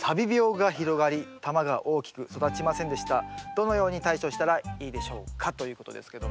「どのように対処したらいいでしょうか」ということですけども。